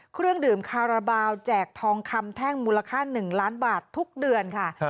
เครื่องดื่มคาราบาลแจกทองคำแท่งมูลค่า๑ล้านบาททุกเดือนค่ะ